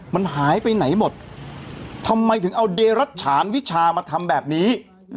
มันหายไปไหนหมดทำไมถึงเอาเดรัชฉานวิชามาทำแบบนี้